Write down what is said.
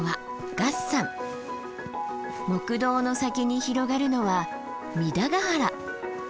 木道の先に広がるのは弥陀ヶ原。